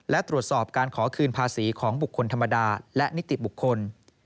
และตรวจสอบการขอคืนภาษีของบุคคลธรรมดาและนิติบุคคล